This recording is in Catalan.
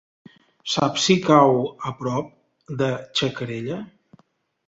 Saps si cau a prop de Xacarella?